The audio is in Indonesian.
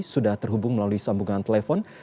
sudah terhubung melalui sambungan telepon